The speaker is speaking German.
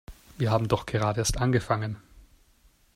Wir haben doch gerade erst angefangen!